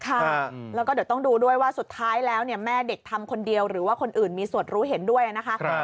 ค่ะแล้วก็เดี๋ยวต้องดูด้วยว่าสุดท้ายแล้วเนี่ยแม่เด็กทำคนเดียวหรือว่าคนอื่นมีส่วนรู้เห็นด้วยนะคะ